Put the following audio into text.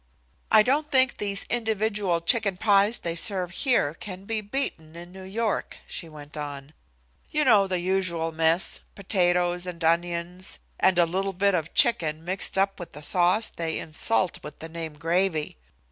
"I don't think these individual chicken pies they serve here can be beaten in New York," she went on. "You know the usual mess potatoes and onions, and a little bit of chicken mixed up with a sauce they insult with the name gravy.